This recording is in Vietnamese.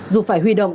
dù phải huy động